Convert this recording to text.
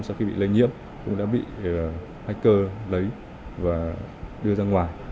các cơ quan tổ chức đã bị lây nhiễm cũng đã bị hacker lấy và đưa ra ngoài